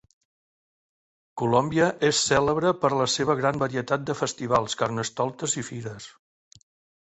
Colòmbia és cèlebre per la seva gran varietat de festivals, carnestoltes i fires.